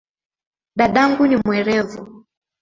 Dadangu ni mwerevu